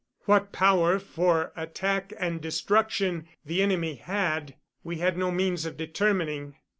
What power for attack and destruction the enemy had, we had no means of determining.